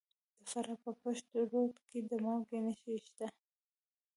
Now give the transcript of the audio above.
د فراه په پشت رود کې د مالګې نښې شته.